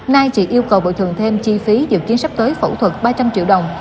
nay chị yêu cầu bồi thường thêm chi phí dự kiến sắp tới phẫu thuật ba trăm linh triệu đồng